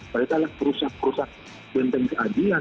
baik adalah perusahaan perusahaan benteng keadilan